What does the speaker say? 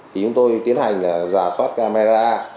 thì chúng tôi tiến hành là giả soát camera